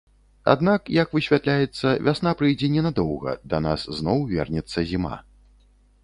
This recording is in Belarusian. Аднак, як высвятляецца, вясна прыйдзе ненадоўга, да нас зноў вернецца зіма.